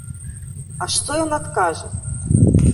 А што ён адкажа?